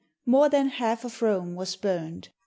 more than half of Rome was burned.